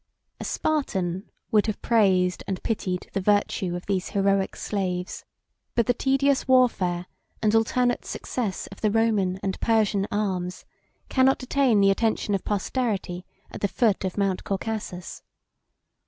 A Spartan would have praised and pitied the virtue of these heroic slaves; but the tedious warfare and alternate success of the Roman and Persian arms cannot detain the attention of posterity at the foot of Mount Caucasus.